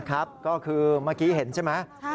ครับก็คือเมื่อกี้เห็นใช่ไหม